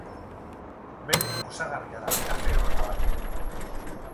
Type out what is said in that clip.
Bere osagarria da, kafe-errota da.